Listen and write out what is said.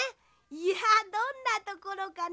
いやどんなところかな？